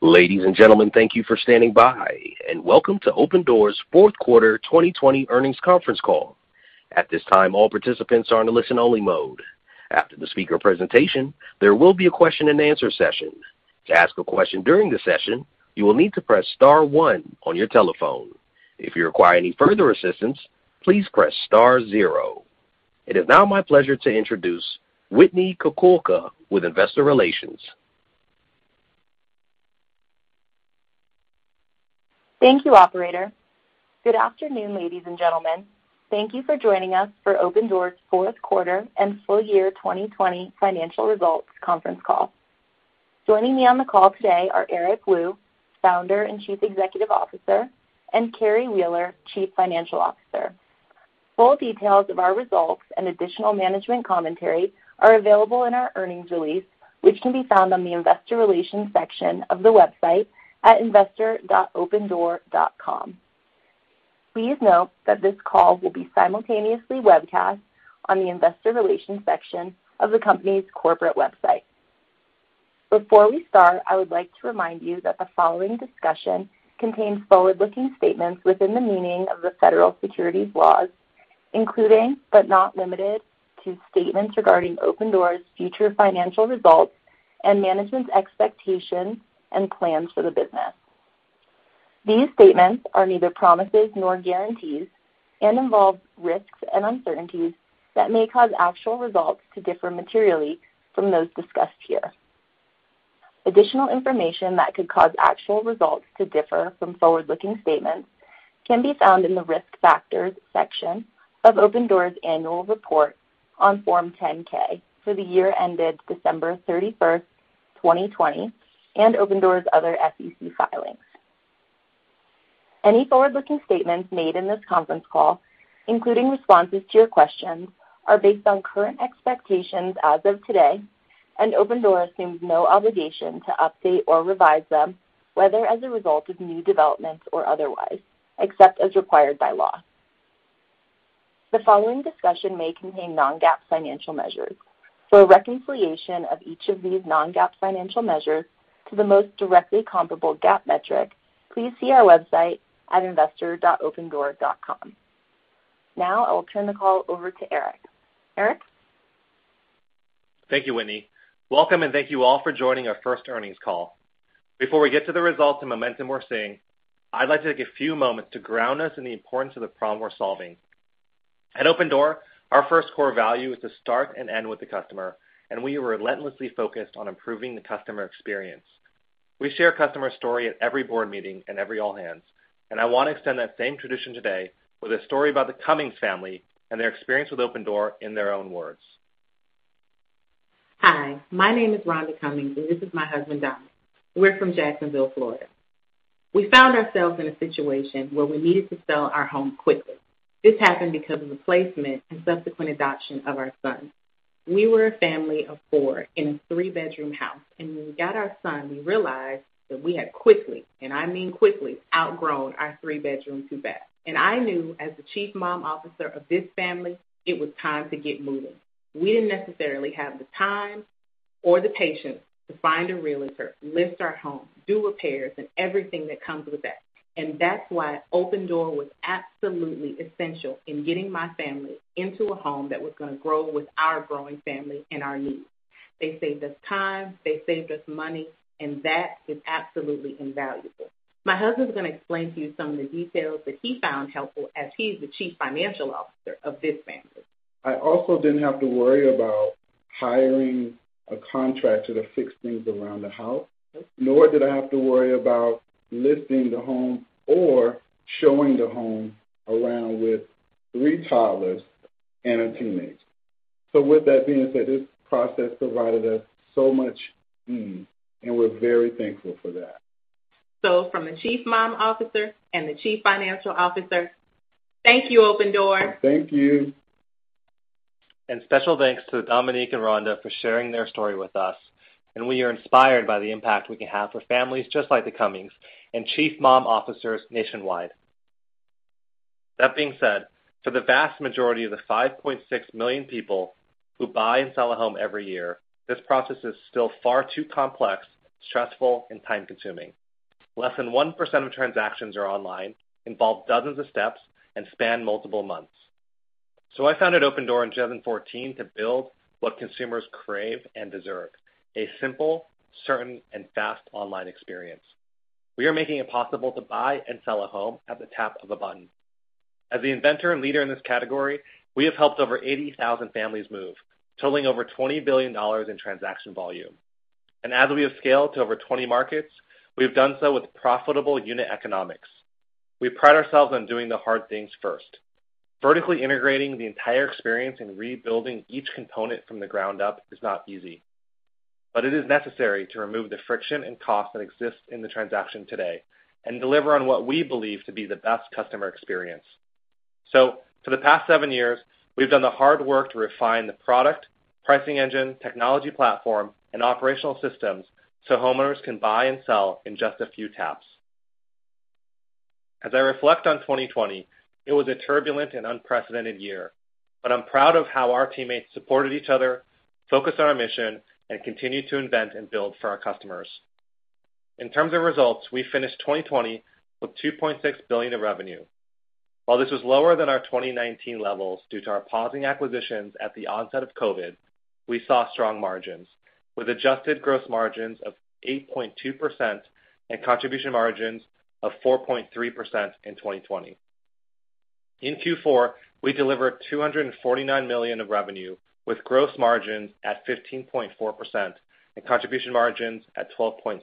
Ladies and gentlemen, thank you for standing by, and welcome to Opendoor's Q4 2020 Earnings Conference Call. At this time, all participants are in a listen-only mode. After the speaker presentation, there will be a question and answer session. To ask a question during the session, you will need to press star one on your telephone. If you require any further assistance, please press star zero. It is now my pleasure to introduce Whitney Kukulka with Investor Relations. Thank you, operator. Good afternoon, ladies and gentlemen. Thank you for joining us for Opendoor's Q4 and Full Year 2020 Financial Results Conference Call. Joining me on the call today are Eric Wu, Founder and Chief Executive Officer, and Carrie Wheeler, Chief Financial Officer. Full details of our results and additional management commentary are available in our earnings release, which can be found on the investor relations section of the website at investor.opendoor.com. Please note that this call will be simultaneously webcast on the investor relations section of the company's corporate website. Before we start, I would like to remind you that the following discussion contains forward-looking statements within the meaning of the federal securities laws, including, but not limited to, statements regarding Opendoor's future financial results and management's expectations and plans for the business. These statements are neither promises nor guarantees and involve risks and uncertainties that may cause actual results to differ materially from those discussed here. Additional information that could cause actual results to differ from forward-looking statements can be found in the Risk Factors section of Opendoor's annual report on Form 10-K for the year ended December 31st, 2020 and Opendoor's other SEC filings. Any forward-looking statements made in this conference call, including responses to your questions, are based on current expectations as of today, and Opendoor assumes no obligation to update or revise them, whether as a result of new developments or otherwise, except as required by law. The following discussion may contain non-GAAP financial measures. For a reconciliation of each of these non-GAAP financial measures to the most directly comparable GAAP metric, please see our website at investor.opendoor.com. Now, I will turn the call over to Eric. Eric? Thank you, Whitney. Welcome and thank you all for joining our first earnings call. Before we get to the results and momentum we're seeing, I'd like to take a few moments to ground us in the importance of the problem we're solving. At Opendoor, our first core value is to start and end with the customer, and we are relentlessly focused on improving the customer experience. We share a customer story at every board meeting and every all-hands, and I want to extend that same tradition today with a story about the Cummings family and their experience with Opendoor in their own words. Hi, my name is Rhonda Cummings, and this is my husband, Dominic. We're from Jacksonville, Florida. We found ourselves in a situation where we needed to sell our home quickly. This happened because of the placement and subsequent adoption of our son. We were a family of four in a three-bedroom house, and when we got our son, we realized that we had quickly, and I mean quickly, outgrown our three bedroom, two bath. I knew as the chief mom officer of this family, it was time to get moving. We didn't necessarily have the time or the patience to find a realtor, list our home, do repairs, and everything that comes with that. That's why Opendoor was absolutely essential in getting my family into a home that was going to grow with our growing family and our needs. They saved us time, they saved us money, and that is absolutely invaluable. My husband's going to explain to you some of the details that he found helpful as he's the Chief Financial Officer of this family. I also didn't have to worry about hiring a contractor to fix things around the house. Yes. Nor did I have to worry about listing the home or showing the home around with three toddlers and a teenage. With that being said, this process provided us so much, and we're very thankful for that. From the chief mom officer and the Chief Financial Officer, thank you, Opendoor. Thank you. Special thanks to Dominic and Rhonda for sharing their story with us, and we are inspired by the impact we can have for families just like the Cummings and chief mom officers nationwide. That being said, for the vast majority of the 5.6 million people who buy and sell a home every year, this process is still far too complex, stressful, and time-consuming. Less than 1% of transactions are online, involve dozens of steps, and span multiple months. I founded Opendoor in 2014 to build what consumers crave and deserve, a simple, certain, and fast online experience. We are making it possible to buy and sell a home at the tap of a button. As the inventor and leader in this category, we have helped over 80,000 families move, totaling over $20 billion in transaction volume. As we have scaled to over 20 markets, we've done so with profitable unit economics. We pride ourselves on doing the hard things first. Vertically integrating the entire experience and rebuilding each component from the ground up is not easy. It is necessary to remove the friction and cost that exists in the transaction today and deliver on what we believe to be the best customer experience. For the past seven years, we've done the hard work to refine the product, pricing engine, technology platform, and operational systems so homeowners can buy and sell in just a few taps. As I reflect on 2020, it was a turbulent and unprecedented year. I'm proud of how our teammates supported each other, focused on our mission, and continued to invent and build for our customers. In terms of results, we finished 2020 with $2.6 billion of revenue. While this was lower than our 2019 levels due to our pausing acquisitions at the onset of COVID, we saw strong margins, with adjusted gross margins of 8.2% and contribution margins of 4.3% in 2020. In Q4, we delivered $249 million of revenue, with gross margins at 15.4% and contribution margins at 12.6%.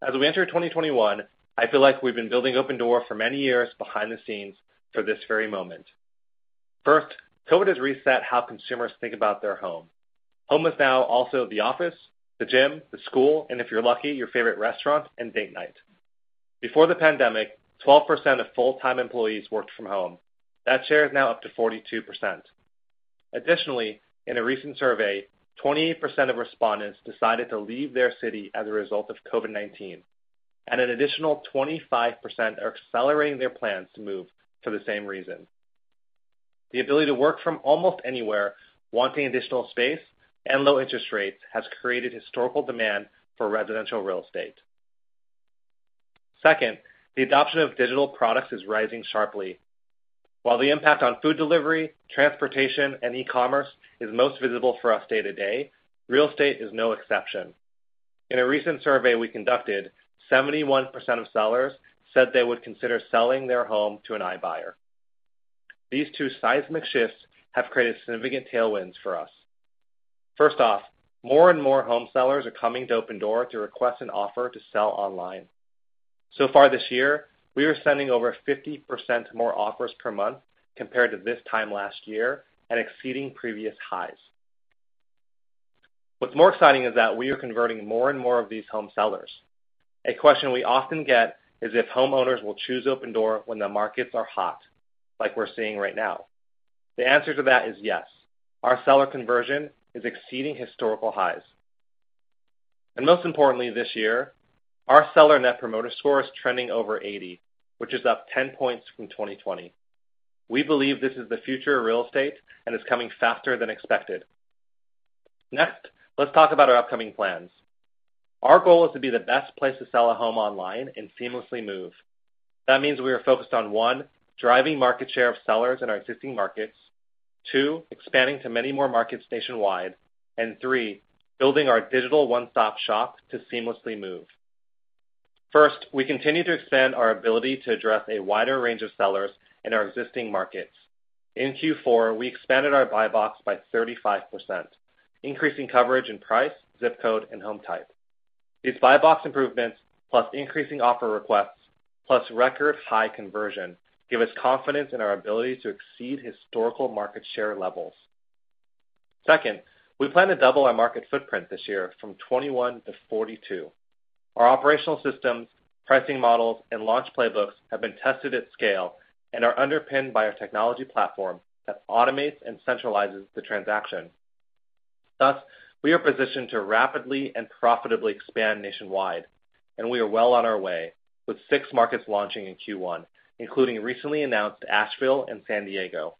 As we enter 2021, I feel like we've been building Opendoor for many years behind the scenes for this very moment. First, COVID has reset how consumers think about their home. Home is now also the office, the gym, the school, and if you're lucky, your favorite restaurant and date night. Before the pandemic, 12% of full-time employees worked from home. That share is now up to 42%. Additionally, in a recent survey, 28% of respondents decided to leave their city as a result of COVID-19, and an additional 25% are accelerating their plans to move for the same reason. The ability to work from almost anywhere, wanting additional space, and low interest rates has created historical demand for residential real estate. Second, the adoption of digital products is rising sharply. While the impact on food delivery, transportation, and e-commerce is most visible for us day to day, real estate is no exception. In a recent survey we conducted, 71% of sellers said they would consider selling their home to an iBuyer. These two seismic shifts have created significant tailwinds for us. First off, more and more home sellers are coming to Opendoor to request an offer to sell online. Far this year, we are sending over 50% more offers per month compared to this time last year and exceeding previous highs. What's more exciting is that we are converting more and more of these home sellers. A question we often get is if homeowners will choose Opendoor when the markets are hot, like we're seeing right now. The answer to that is yes. Our seller conversion is exceeding historical highs. Most importantly this year, our seller Net Promoter Score is trending over 80, which is up 10 points from 2020. We believe this is the future of real estate and is coming faster than expected. Next, let's talk about our upcoming plans. Our goal is to be the best place to sell a home online and seamlessly move. That means we are focused on, one, driving market share of sellers in our existing markets. Two, expanding to many more markets nationwide. Three, building our digital one-stop shop to seamlessly move. First, we continue to expand our ability to address a wider range of sellers in our existing markets. In Q4, we expanded our buy box by 35%, increasing coverage in price, ZIP code, and home type. These buy box improvements, plus increasing offer requests, plus record high conversion, give us confidence in our ability to exceed historical market share levels. Second, we plan to double our market footprint this year from 21 to 42. Our operational systems, pricing models, and launch playbooks have been tested at scale and are underpinned by our technology platform that automates and centralizes the transaction. We are positioned to rapidly and profitably expand nationwide, and we are well on our way, with six markets launching in Q1, including recently announced Asheville and San Diego.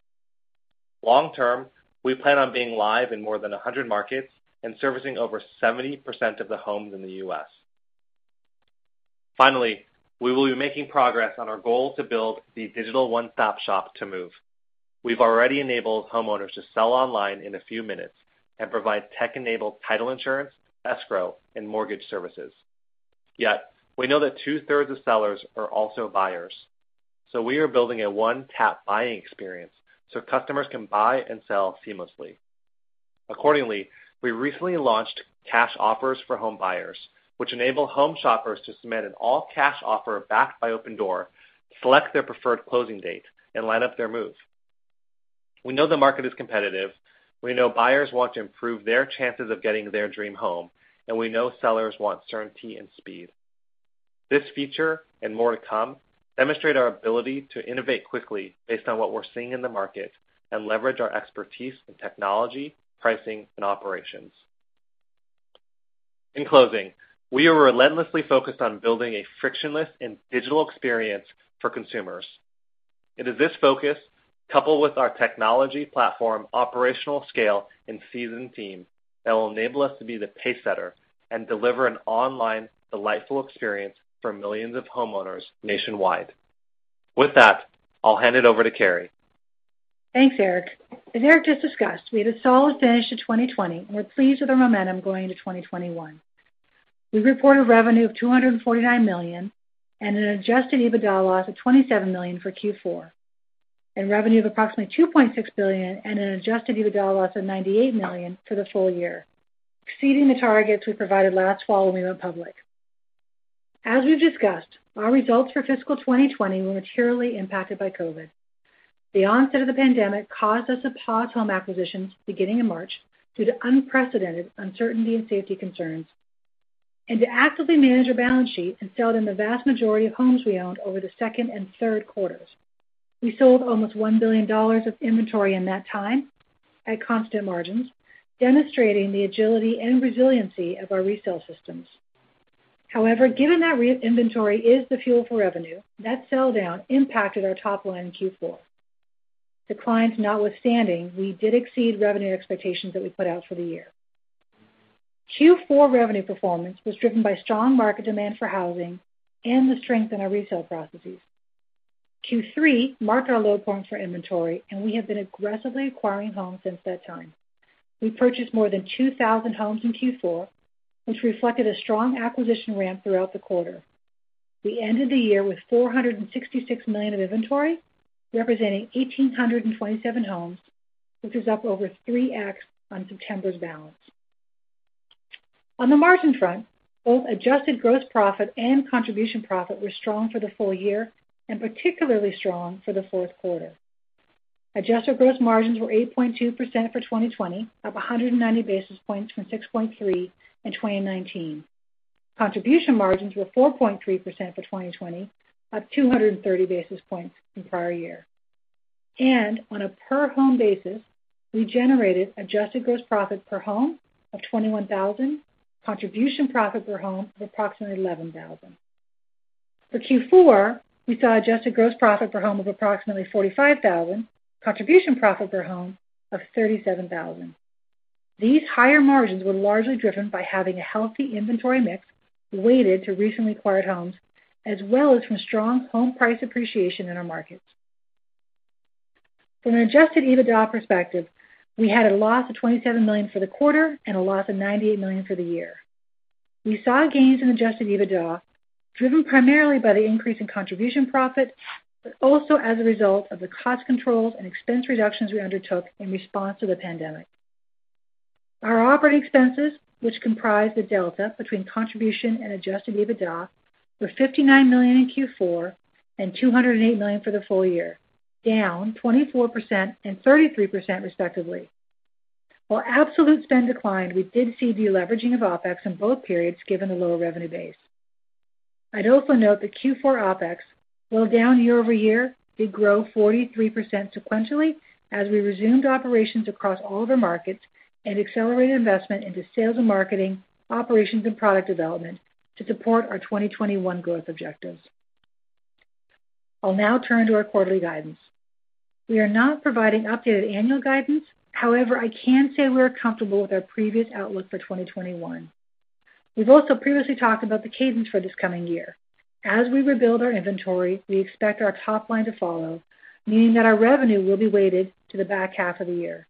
Long term, we plan on being live in more than 100 markets and servicing over 70% of the homes in the U.S. Finally, we will be making progress on our goal to build the digital one-stop shop to move. We've already enabled homeowners to sell online in a few minutes and provide tech-enabled title insurance, Escrow, and mortgage services. Yet we know that two-thirds of sellers are also buyers, we are building a one-tap buying experience so customers can buy and sell seamlessly. Accordingly, we recently launched Cash Offers for home buyers, which enable home shoppers to submit an all-cash offer backed by Opendoor, select their preferred closing date, and line up their move. We know the market is competitive. We know buyers want to improve their chances of getting their dream home, and we know sellers want certainty and speed. This feature, and more to come, demonstrate our ability to innovate quickly based on what we're seeing in the market and leverage our expertise in technology, pricing, and operations. In closing, we are relentlessly focused on building a frictionless and digital experience for consumers. It is this focus, coupled with our technology platform, operational scale, and seasoned team, that will enable us to be the pacesetter and deliver an online delightful experience for millions of homeowners nationwide. With that, I'll hand it over to Carrie. Thanks, Eric. As Eric just discussed, we had a solid finish to 2020, and we're pleased with our momentum going into 2021. We reported revenue of $249 million and an adjusted EBITDA loss of $27 million for Q4, and revenue of approximately $2.6 billion and an adjusted EBITDA loss of $98 million for the full year, exceeding the targets we provided last fall when we went public. As we've discussed, our results for fiscal 2020 were materially impacted by COVID. The onset of the pandemic caused us to pause home acquisitions beginning in March due to unprecedented uncertainty and safety concerns, and to actively manage our balance sheet and sell down the vast majority of homes we owned over the second and third quarters. We sold almost $1 billion of inventory in that time at constant margins, demonstrating the agility and resiliency of our resale systems. However, given that inventory is the fuel for revenue, that sell-down impacted our top line in Q4. Declines notwithstanding, we did exceed revenue expectations that we put out for the year. Q4 revenue performance was driven by strong market demand for housing and the strength in our retail processes. Q3 marked our low point for inventory, and we have been aggressively acquiring homes since that time. We purchased more than 2,000 homes in Q4, which reflected a strong acquisition ramp throughout the quarter. We ended the year with $466 million of inventory, representing 1,827 homes, which is up over 3x on September's balance. On the margin front, both adjusted gross profit and contribution profit were strong for the full year and particularly strong for the Q4. Adjusted gross margins were 8.2% for 2020, up 190 basis points from 6.3% in 2019. Contribution margins were 4.3% for 2020, up 230 basis points from prior year. On a per-home basis, we generated adjusted gross profit per home of $21,000, contribution profit per home of approximately $11,000. For Q4, we saw adjusted gross profit per home of approximately $45,000, contribution profit per home of $37,000. These higher margins were largely driven by having a healthy inventory mix weighted to recently acquired homes, as well as from strong home price appreciation in our markets. From an adjusted EBITDA perspective, we had a loss of $27 million for the quarter and a loss of $98 million for the year. We saw gains in adjusted EBITDA driven primarily by the increase in contribution profit, but also as a result of the cost controls and expense reductions we undertook in response to the pandemic. Our operating expenses, which comprise the delta between contribution and adjusted EBITDA, were $59 million in Q4 and $208 million for the full year, down 24% and 33% respectively. While absolute spend declined, we did see deleveraging of OpEx in both periods given the lower revenue base. I'd also note that Q4 OpEx, while down year-over-year, did grow 43% sequentially as we resumed operations across all of our markets and accelerated investment into sales and marketing, operations, and product development to support our 2021 growth objectives. I'll now turn to our quarterly guidance. We are now providing updated annual guidance. I can say we're comfortable with our previous outlook for 2021. We've also previously talked about the cadence for this coming year. As we rebuild our inventory, we expect our top line to follow, meaning that our revenue will be weighted to the back half of the year.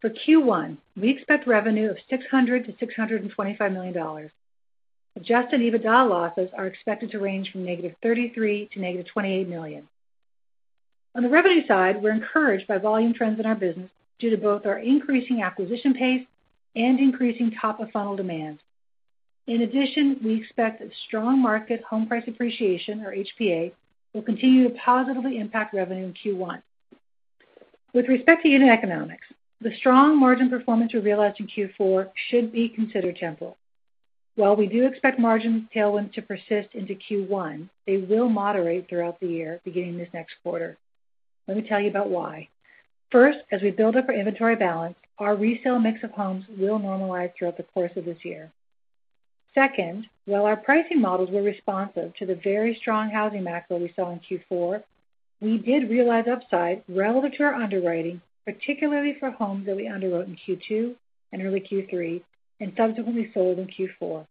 For Q1, we expect revenue of $600 million-$625 million. adjusted EBITDA losses are expected to range from -$33 million to -$28 million. On the revenue side, we're encouraged by volume trends in our business due to both our increasing acquisition pace and increasing top-of-funnel demand. In addition, we expect that strong market home price appreciation, or HPA, will continue to positively impact revenue in Q1. With respect to unit economics, the strong margin performance we realized in Q4 should be considered temporal. While we do expect margin tailwinds to persist into Q1, they will moderate throughout the year, beginning this next quarter. Let me tell you about why. First, as we build up our inventory balance, our resale mix of homes will normalize throughout the course of this year. Second, while our pricing models were responsive to the very strong housing macro we saw in Q4, we did realize upside relative to our underwriting, particularly for homes that we underwrote in Q2 and early Q3 and subsequently sold in Q4.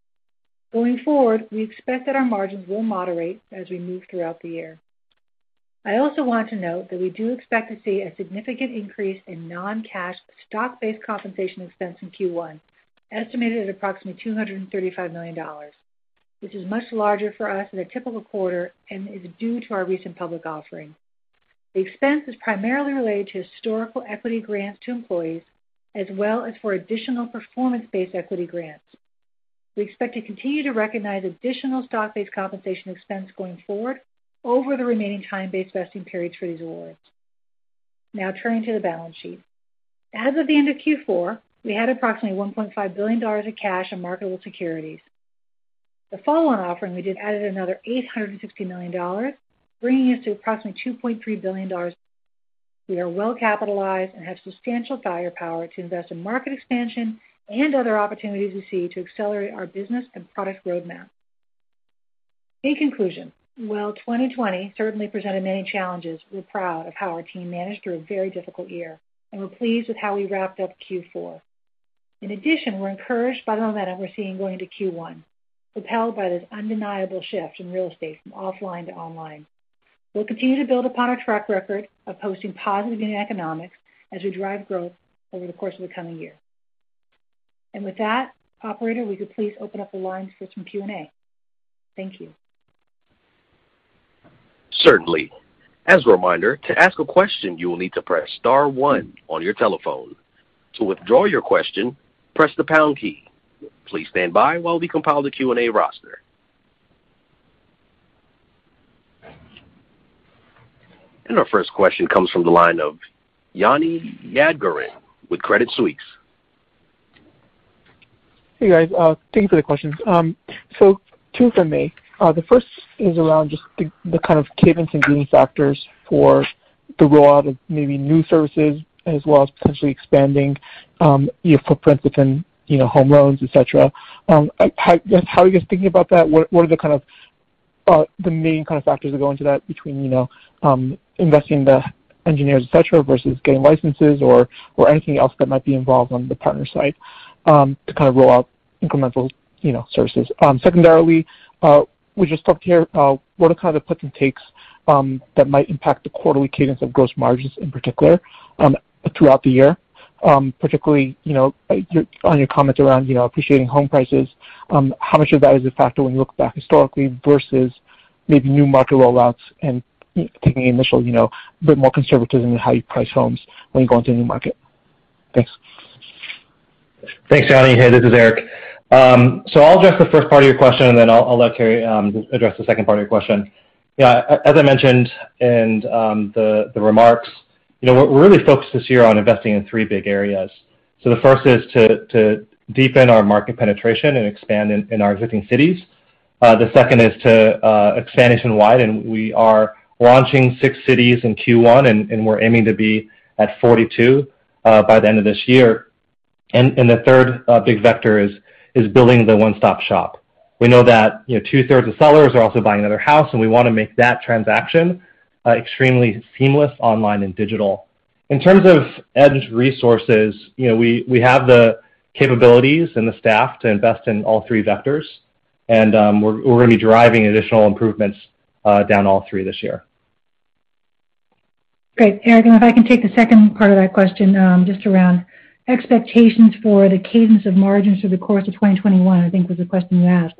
Going forward, we expect that our margins will moderate as we move throughout the year. I also want to note that we do expect to see a significant increase in non-cash stock-based compensation expense in Q1, estimated at approximately $235 million, which is much larger for us than a typical quarter and is due to our recent public offering. The expense is primarily related to historical equity grants to employees as well as for additional performance-based equity grants. We expect to continue to recognize additional stock-based compensation expense going forward over the remaining time-based vesting periods for these awards. Turning to the balance sheet. As of the end of Q4, we had approximately $1.5 billion of cash and marketable securities. The follow-on offering we did added another $860 million, bringing us to approximately $2.3 billion. We are well capitalized and have substantial firepower to invest in market expansion and other opportunities we see to accelerate our business and product roadmap. In conclusion, while 2020 certainly presented many challenges, we're proud of how our team managed through a very difficult year, and we're pleased with how we wrapped up Q4. In addition, we're encouraged by the momentum we're seeing going into Q1, propelled by this undeniable shift in real estate from offline to online. We'll continue to build upon our track record of posting positive unit economics as we drive growth over the course of the coming year. With that, operator, we could please open up the lines for some Q&A. Thank you. Certainly. As a reminder, to ask a question, you will need to press star one on your telephone. To withdraw your question, press the pound key. Please stand by while we compile the Q&A roster. Our first question comes from the line of Yanni Yadgarin with Credit Suisse. Hey, guys. Thank you for the questions. Two from me. The first is around just the kind of cadence and driving factors for the rollout of maybe new services as well as potentially expanding your footprint within Home Loans, et cetera. How are you guys thinking about that? What are the main kind of factors that go into that between investing the engineers, et cetera, versus getting licenses or anything else that might be involved on the partner side to roll out incremental services? Secondarily, we just talked here, what are the kind of puts and takes that might impact the quarterly cadence of gross margins in particular throughout the year? Particularly on your comments around appreciating home prices. How much of that is a factor when you look back historically versus maybe new market rollouts and taking the initial bit more conservatism in how you price homes when you go into a new market? Thanks. Thanks, Yanni. Hey, this is Eric. I'll address the first part of your question, and then I'll let Carrie address the second part of your question. As I mentioned in the remarks, we're really focused this year on investing in three big areas. The first is to deepen our market penetration and expand in our existing cities. The second is to expand nationwide, and we are launching six cities in Q1, and we're aiming to be at 42 by the end of this year. The third big vector is building the one-stop shop. We know that two-thirds of sellers are also buying another house, and we want to make that transaction extremely seamless online and digital. In terms of adequate resources, we have the capabilities and the staff to invest in all three vectors, and we're going to be driving additional improvements down all three this year. Great, Eric, if I can take the second part of that question, just around expectations for the cadence of margins through the course of 2021, I think was the question you asked.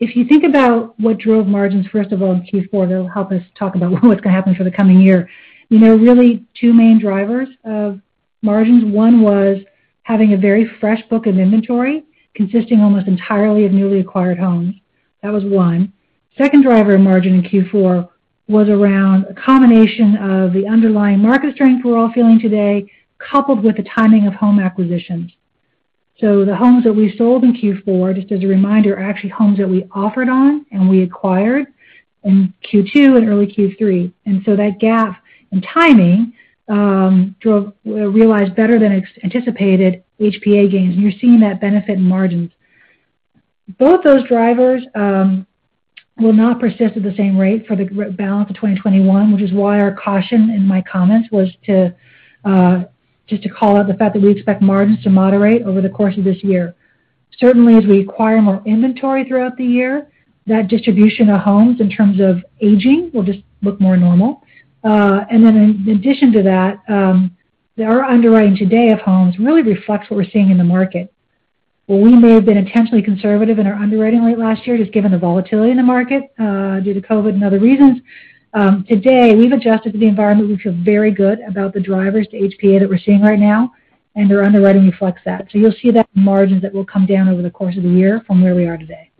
If you think about what drove margins, first of all, in Q4, that'll help us talk about what's going to happen for the coming year. There are really two main drivers of margins. One was having a very fresh book of inventory consisting almost entirely of newly acquired homes. That was one. Second driver of margin in Q4 was around a combination of the underlying market strength we're all feeling today, coupled with the timing of home acquisitions. The homes that we sold in Q4, just as a reminder, are actually homes that we offered on and we acquired in Q2 and early Q3. That gap in timing drove realized better than anticipated HPA gains, and you're seeing that benefit in margins. Both those drivers will not persist at the same rate for the balance of 2021, which is why our caution in my comments was just to call out the fact that we expect margins to moderate over the course of this year. Certainly, as we acquire more inventory throughout the year, that distribution of homes in terms of aging will just look more normal. In addition to that, our underwriting today of homes really reflects what we're seeing in the market. While we may have been intentionally conservative in our underwriting late last year, just given the volatility in the market due to COVID and other reasons, today, we've adjusted to the environment. We feel very good about the drivers to HPA that we're seeing right now, and our underwriting reflects that. You'll see that in margins that will come down over the course of the year from where we are today.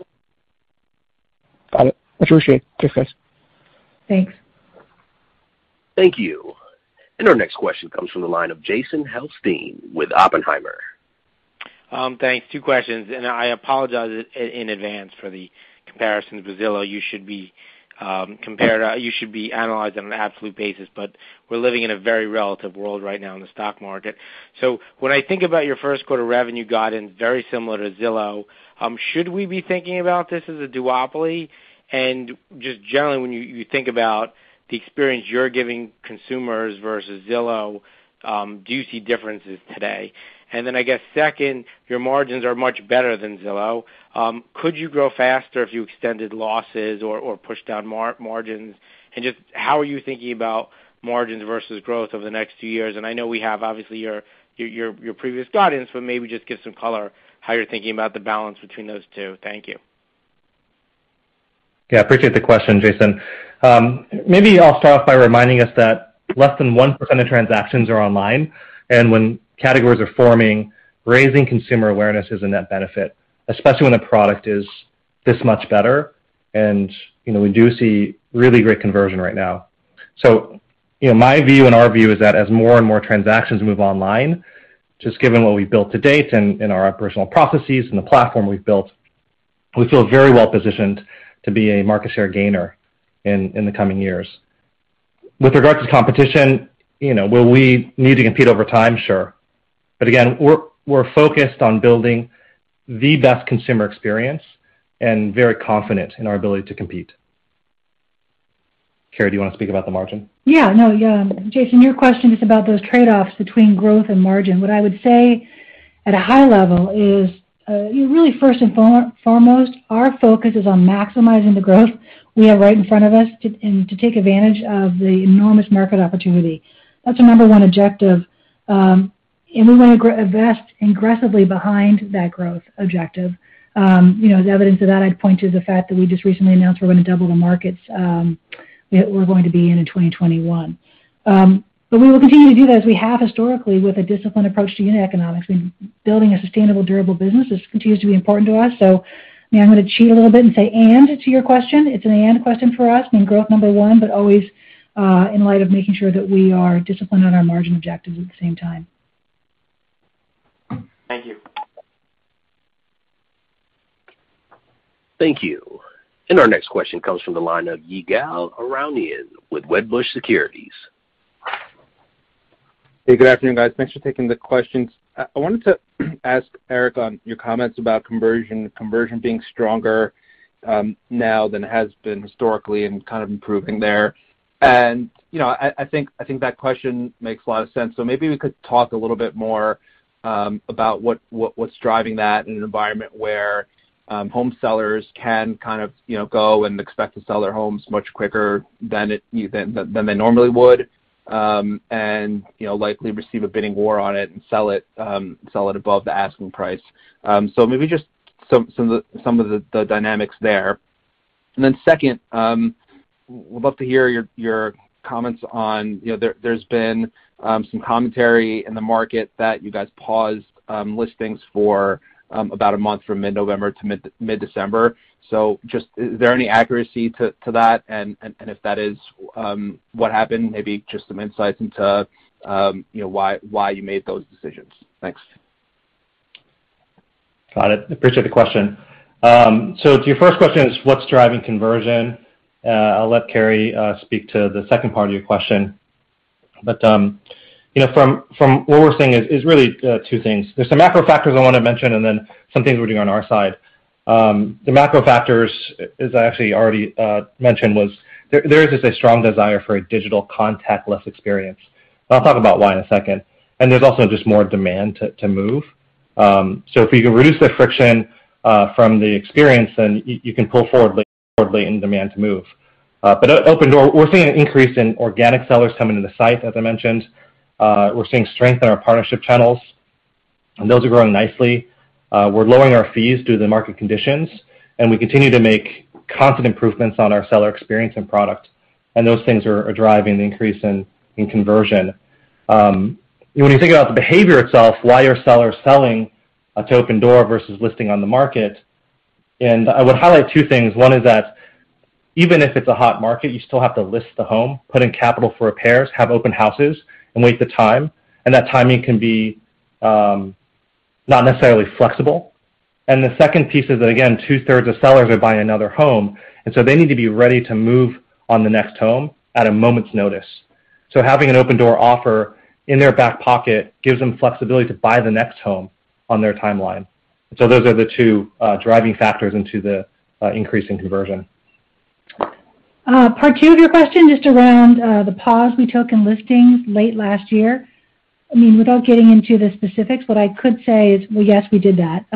Got it. Appreciate it. Thanks, guys. Thanks. Thank you. Our next question comes from the line of Jason Helfstein with Oppenheimer. Thanks. I apologize in advance for the comparison to Zillow. You should be analyzed on an absolute basis, we're living in a very relative world right now in the stock market. When I think about your first quarter revenue guidance, very similar to Zillow, should we be thinking about this as a duopoly? Just generally, when you think about the experience you're giving consumers versus Zillow, do you see differences today? I guess second, your margins are much better than Zillow. Could you grow faster if you extended losses or pushed down margins? Just how are you thinking about margins versus growth over the next few years? I know we have obviously your previous guidance, but maybe just give some color how you're thinking about the balance between those two. Thank you. Yeah, appreciate the question, Jason. Maybe I'll start off by reminding us that less than 1% of transactions are online. When categories are forming, raising consumer awareness is a net benefit, especially when a product is this much better. We do see really great conversion right now. My view and our view is that as more and more transactions move online, just given what we've built to date and our operational processes and the platform we've built, we feel very well-positioned to be a market share gainer in the coming years. With regards to competition, will we need to compete over time? Sure. Again, we're focused on building the best consumer experience and very confident in our ability to compete. Carrie, do you want to speak about the margin? Yeah. No. Jason, your question is about those trade-offs between growth and margin. What I would say at a high level is really first and foremost, our focus is on maximizing the growth we have right in front of us and to take advantage of the enormous market opportunity. That's our number one objective. We want to invest aggressively behind that growth objective. As evidence of that, I'd point to the fact that we just recently announced we're going to double the markets that we're going to be in in 2021. We will continue to do that as we have historically with a disciplined approach to unit economics. Building a sustainable, durable business continues to be important to us, Now I'm going to cheat a little bit and say and to your question, it's an and question for us, meaning growth number one, but always in light of making sure that we are disciplined on our margin objectives at the same time. Thank you. Thank you. Our next question comes from the line of Ygal Arounian with Wedbush Securities. Hey, good afternoon, guys. Thanks for taking the questions. I wanted to ask Eric on your comments about conversion being stronger now than it has been historically and kind of improving there. I think that question makes a lot of sense. Maybe we could talk a little bit more about what's driving that in an environment where home sellers can go and expect to sell their homes much quicker than they normally would, and likely receive a bidding war on it and sell it above the asking price. Maybe just some of the dynamics there. Second, would love to hear your comments on there's been some commentary in the market that you guys paused listings for about a month from mid-November to mid-December. Just is there any accuracy to that? If that is what happened, maybe just some insights into why you made those decisions. Thanks. Got it. Appreciate the question. To your first question is what's driving conversion? I'll let Carrie speak to the second part of your question. From what we're seeing is really two things. There's some macro factors I want to mention and then some things we're doing on our side. The macro factors, as I actually already mentioned, was there is a strong desire for a digital contactless experience. I'll talk about why in a second. There's also just more demand to move. If you can reduce the friction from the experience, then you can pull forward latent demand to move. At Opendoor, we're seeing an increase in organic sellers coming to the site, as I mentioned. We're seeing strength in our partnership channels, and those are growing nicely. We're lowering our fees due to the market conditions. We continue to make constant improvements on our seller experience and product. Those things are driving the increase in conversion. When you think about the behavior itself, why are sellers selling to Opendoor versus listing on the market? I would highlight two things. One is that even if it's a hot market, you still have to list the home, put in capital for repairs, have open houses, and wait the time, and that timing can be not necessarily flexible. The second piece is that, again, two-thirds of sellers are buying another home, so they need to be ready to move on the next home at a moment's notice. Having an Opendoor offer in their back pocket gives them flexibility to buy the next home on their timeline. Those are the two driving factors into the increase in conversion. Part two of your question, just around the pause we took in listings late last year. I mean, without getting into the specifics, what I could say is, well, yes, we did that.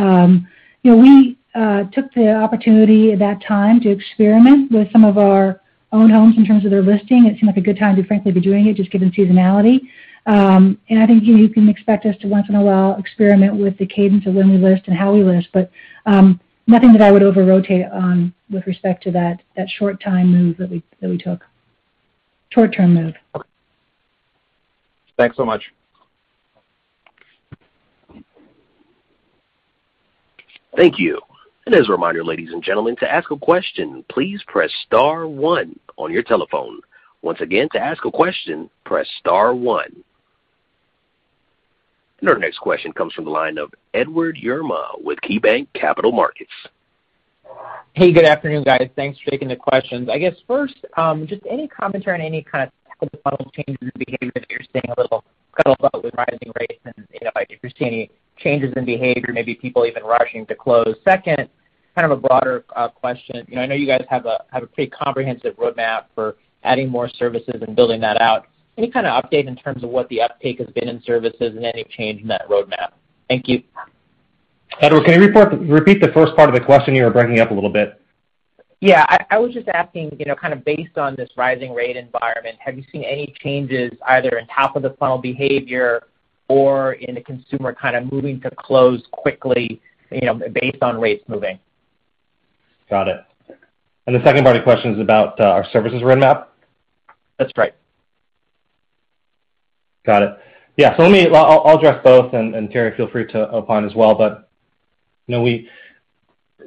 We took the opportunity at that time to experiment with some of our own homes in terms of their listing. It seemed like a good time to frankly be doing it, just given seasonality. I think you can expect us to once in a while experiment with the cadence of when we list and how we list. Nothing that I would over-rotate on with respect to that short time move that we took. Short-term move. Thanks so much. Thank you. As a reminder, ladies and gentlemen, to ask a question, please press star one on your telephone. Once again, to ask a question, press star one. Our next question comes from the line of Edward Yruma with KeyBanc Capital Markets. Hey, good afternoon, guys. Thanks for taking the questions. I guess first, just any commentary on any kind of top-of-funnel changes in behavior that you're seeing a little with rising rates and if you're seeing any changes in behavior, maybe people even rushing to close. Second, kind of a broader question. I know you guys have a pretty comprehensive roadmap for adding more services and building that out. Any kind of update in terms of what the uptake has been in services and any change in that roadmap? Thank you. Edward, can you repeat the first part of the question? You were breaking up a little bit. Yeah. I was just asking, kind of based on this rising rate environment, have you seen any changes either in top-of-the-funnel behavior or in the consumer kind of moving to close quickly based on rates moving? Got it. The second part of your question is about our services roadmap? That's right. Got it. Yeah. I'll address both and Carrie feel free to opine as well.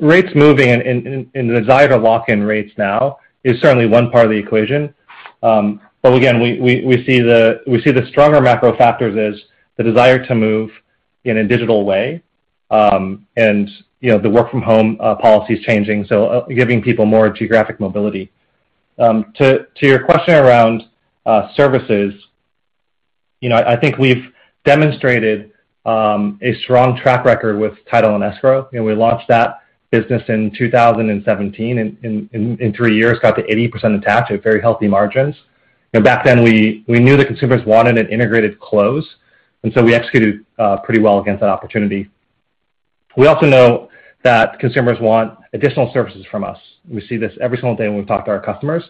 Rates moving and the desire to lock in rates now is certainly one part of the equation. Again, we see the stronger macro factors is the desire to move in a digital way. The work from home policy is changing, giving people more geographic mobility. To your question around services, I think we've demonstrated a strong track record with Title and Escrow. We launched that business in 2017, in three years got to 80% attached at very healthy margins. Back then, we knew that consumers wanted an integrated close, we executed pretty well against that opportunity. We also know that consumers want additional services from us. We see this every single day when we talk to our customers.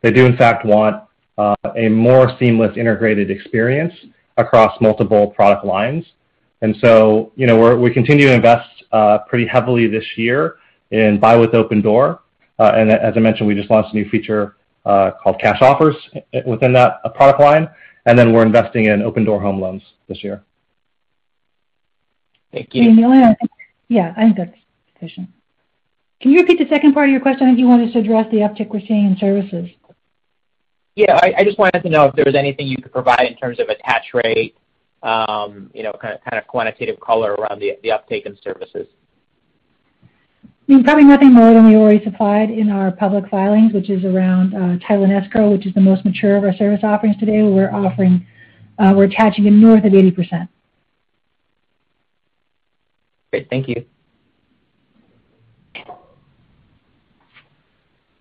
They do in fact want a more seamless, integrated experience across multiple product lines. We continue to invest pretty heavily this year in Buy with Opendoor. As I mentioned, we just launched a new feature called Cash Offers within that product line. Then we're investing in Opendoor Home Loans this year. Thank you. I think that's sufficient. Can you repeat the second part of your question? I think you wanted to address the uptick we're seeing in services. Yeah. I just wanted to know if there was anything you could provide in terms of attach rate, kind of quantitative color around the uptake in services. Probably nothing more than we already supplied in our public filings, which is around Title and Escrow, which is the most mature of our service offerings today. We're attaching in north of 80%. Great. Thank you.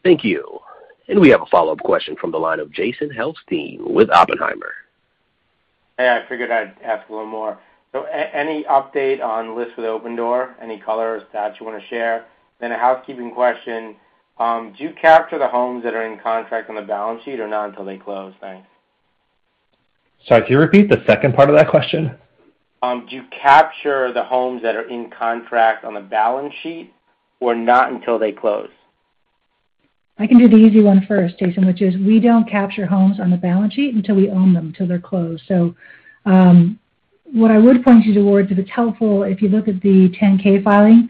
Thank you. We have a follow-up question from the line of Jason Helfstein with Oppenheimer. Hey, I figured I'd ask a little more. Any update on List with Opendoor? Any colors that you want to share? A housekeeping question. Do you capture the homes that are in contract on the balance sheet, or not until they close? Thanks. Sorry, could you repeat the second part of that question? Do you capture the homes that are in contract on the balance sheet, or not until they close? I can do the easy one first, Jason, which is we don't capture homes on the balance sheet until we own them, till they're closed. What I would point you towards, if it's helpful, if you look at the 10-K filing.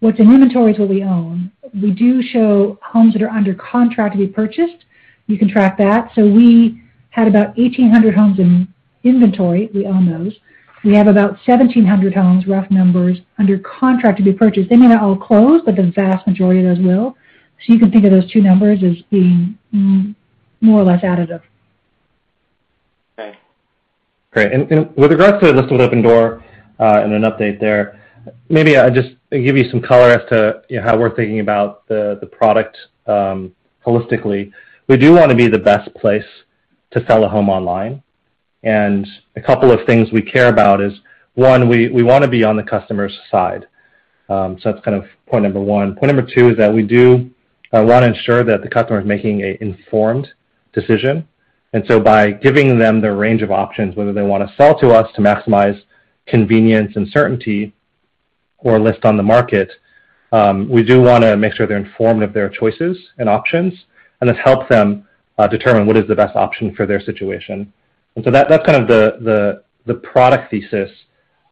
What's in inventory is what we own. We do show homes that are under contract to be purchased. You can track that. We had about 1,800 homes in inventory. We own those. We have about 1,700 homes, rough numbers, under contract to be purchased. They may not all close, but the vast majority of those will. You can think of those two numbers as being more or less additive. Okay. Great. With regards to List with Opendoor, and an update there, maybe I just give you some color as to how we're thinking about the product holistically. We do want to be the best place to sell a home online. A couple of things we care about is, one, we want to be on the customer's side. That's kind of point number one. Point number two is that we do want to ensure that the customer is making an informed decision. By giving them the range of options, whether they want to sell to us to maximize convenience and certainty or list on the market, we do want to make sure they're informed of their choices and options. This helps them determine what is the best option for their situation. That's kind of the product thesis.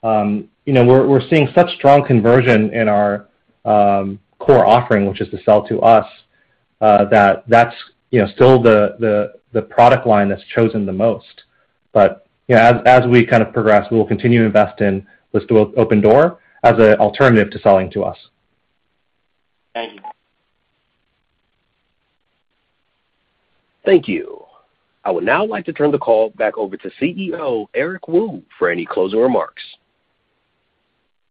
We're seeing such strong conversion in our core offering, which is to sell to us, that that's still the product line that's chosen the most. As we progress, we'll continue to invest in List with Opendoor as an alternative to selling to us. Thank you. Thank you. I would now like to turn the call back over to CEO, Eric Wu, for any closing remarks.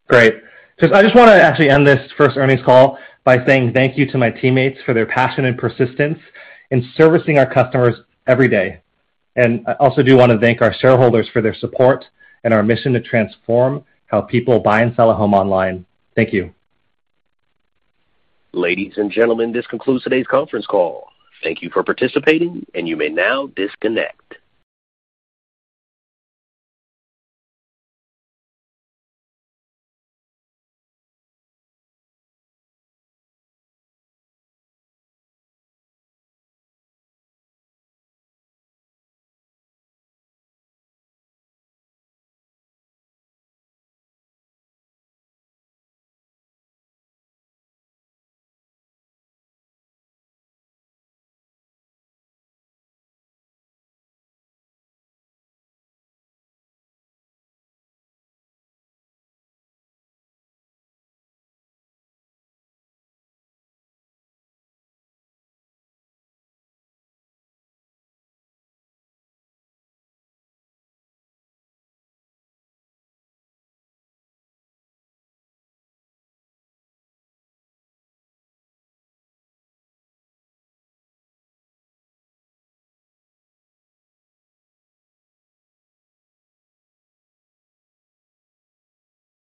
Great. I just want to actually end this first earnings call by saying thank you to my teammates for their passion and persistence in servicing our customers every day. I also do want to thank our shareholders for their support in our mission to transform how people buy and sell a home online. Thank you. Ladies and gentlemen, this concludes today's conference call. Thank you for participating, and you may now disconnect.